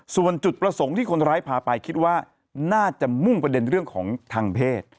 ส่วนจุดประสงค์ที่คนร้ายพาไปคิดว่าน่าจะมุ่งประเด็นเรื่องของทางเพศ